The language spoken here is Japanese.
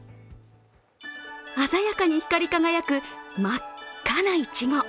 鮮やかに光り輝く真っ赤ないちご。